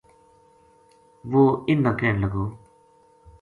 وہ انھ نا کہن لگو